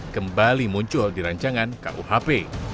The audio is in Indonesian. kembali muncul di rancangan kuhp